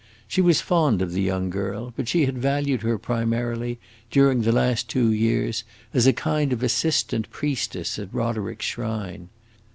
She was fond of the young girl, but she had valued her primarily, during the last two years, as a kind of assistant priestess at Roderick's shrine.